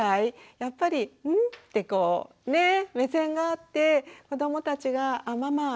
やっぱり「ん？」ってこうね目線が合って子どもたちがあママ